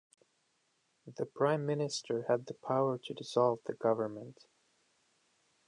The Prime Minister had the power to dissolve the government.